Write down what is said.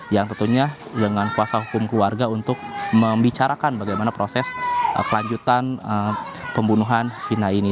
yang tentunya dengan kuasa hukum keluarga untuk membicarakan bagaimana proses kelanjutan pembunuhan vina ini